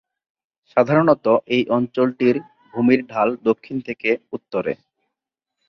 সাধারণত এই অঞ্চলটির ভূমির ঢাল দক্ষিণ থেকে উত্তরে।